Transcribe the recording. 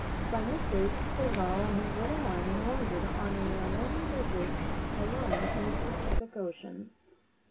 By mis take, Pizarro and his little army landed on a lonely desert island in the Pacific Ocean.